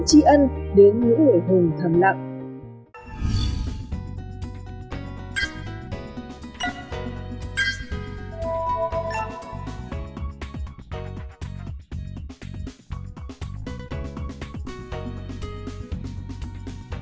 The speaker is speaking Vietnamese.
tri ân đến những người hùng thầm lặng